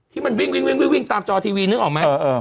ที่มันวิ่งตามจอทีวีนึกออกไหม